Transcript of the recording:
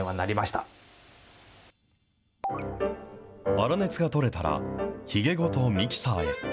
粗熱が取れたら、ひげごとミキサーへ。